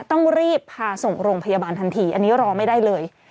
ต้องรีบพาส่งโรงพยาบาลทันทีอันนี้รอไม่ได้เลย